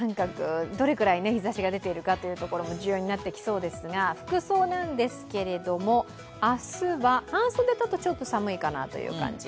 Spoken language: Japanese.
どれくらい日ざしが出ているかも重要になってきそうですが、服装なんですけれども、明日は半袖、ちょっと寒いかなという感じ